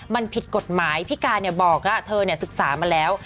มันผิดกฎหมายพี่การบอกว่าเธอศึกษามาแล้ว